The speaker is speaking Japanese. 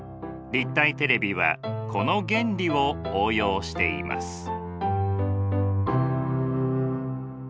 立体テレビはこの原理を応用しています。